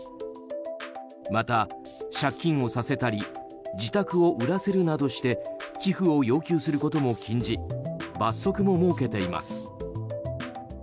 また、借金をさせたり自宅を売らせるなどして寄付を要求することも禁じ罰則も設けています。